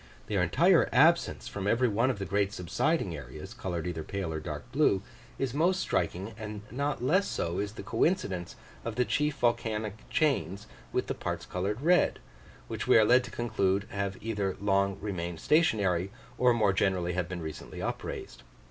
Their entire absence from every one of the great subsiding areas, coloured either pale or dark blue, is most striking and not less so is the coincidence of the chief volcanic chains with the parts coloured red, which we are led to conclude have either long remained stationary, or more generally have been recently upraised.